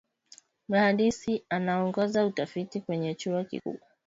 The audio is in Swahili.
Mhandisi anaongoza utafiti kwenye chuo kikuu